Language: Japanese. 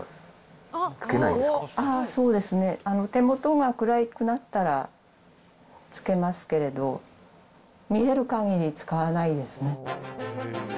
そうですね、手元が暗くなったらつけますけれど、見えるかぎり使わないですね。